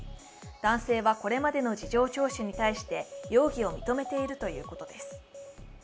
男性はこれまでの事情聴取に対して容疑を認めているということです。